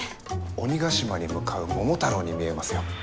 鬼ヶ島に向かう桃太郎に見えますよ。